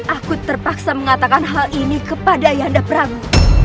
aku terpaksa mengatakan hal ini kepada ayahandak prabu